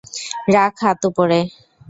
রাখ হাত উপরে!